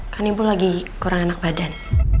kan ibu lagi kurang enak badan